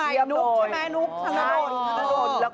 มีทั้งใจเตรียมโดยนุ๊กใช่มะนุ๊กทันโดดถ้าทันโดด